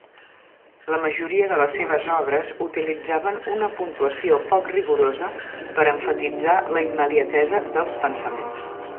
La majoria de les seves obres utilitzaven una puntuació poc rigorosa per emfatitzar la immediatesa dels pensaments.